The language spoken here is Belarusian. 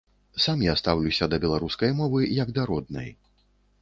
Сам я стаўлюся да беларускай мовы як да роднай.